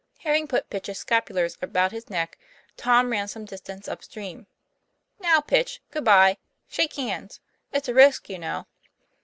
Having put Pitch's scapulars about his neck, Tom ran some distance up stream. "Now, Pitch, good by. Shake hands. It's a risk, you know.